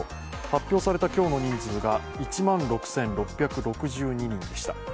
発表された今日の人数が１万６６６２人でした。